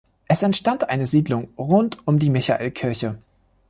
Es entstand eine Siedlung rund um die Michaelkirche.